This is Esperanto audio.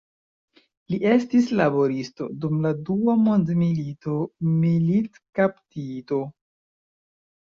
Li estis laboristo, dum la dua mondmilito militkaptito.